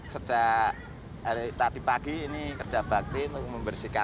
sejak pagi ini kerja pagi untuk membersihkan